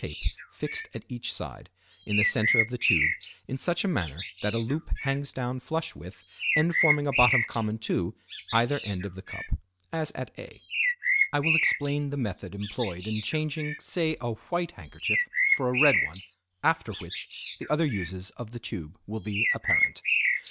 tape fixed at each side, in the center of the tube, in such a manner that a loop hangs down flush with, and forming a bottom common to, either end of the cup (as at A). Fig. 15. Brass Tube for Handkerchief Tricks. I will explain the method employed in changing say a white handkerchief for a red one after which the other uses of the tube will be apparent.